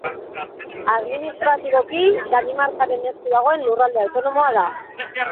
Administratiboki, Danimarkaren esku dagoen lurralde autonomoa da.